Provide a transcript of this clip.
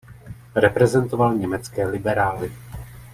Reprezentoval německé liberály.